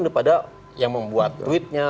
daripada yang membuat tweetnya